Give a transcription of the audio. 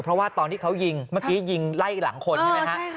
เพราะว่าตอนที่เขายิงเมื่อกี้ยิงไล่หลังคนใช่ไหมฮะ